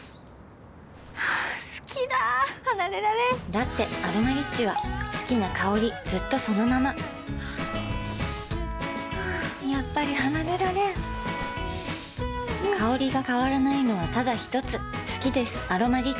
好きだ離れられんだって「アロマリッチ」は好きな香りずっとそのままやっぱり離れられん香りが変わらないのはただひとつ好きです「アロマリッチ」